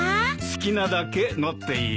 好きなだけ乗っていいよ。